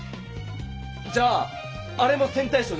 じゃああれも線対称ですか？